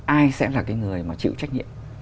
ai sẽ là cái người mà chịu trách nhiệm